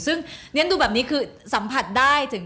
ซึ่งดูแบบนี้คือสัมผัสได้